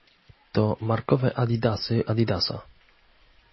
To markowe adidasy Adidasa.